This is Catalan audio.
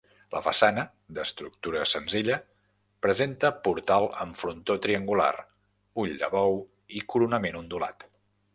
La façana, d'estructura senzilla, presenta portal amb frontó triangular, ull de bou i coronament ondulat.